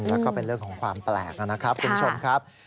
แล้วก็เป็นเรื่องของความแปลกนะครับคุณผู้ชมครับ